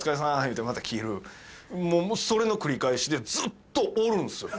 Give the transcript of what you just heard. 言うてまた切るもうそれの繰り返しでずっとおるんですよ